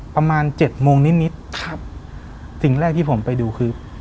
ประมาณเจ็ดโมงนิดนิดครับสิ่งแรกที่ผมไปดูคือ